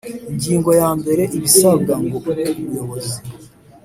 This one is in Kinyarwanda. Ingingo ya mbere Ibisabwa ngo ube umuyobozi